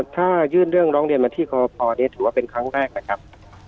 ถ้ายื่นเรื่องร้องเรียนมาที่กรพนี้ถือว่าเป็นครั้งแรกนะครับ